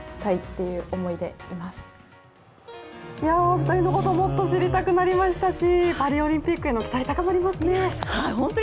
２人のことをもっと知りたくなりましたしパリオリンピックへの期待が高まりますね。